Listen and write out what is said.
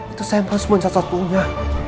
itu sampel semua yang satu satunya